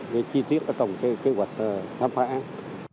cái chi tiết ở trong cái kế hoạch tham phá án